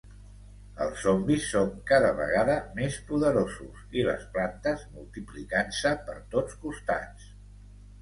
Els zombis són cada vegada més poderosos i les plantes multiplicant-se per tots costats.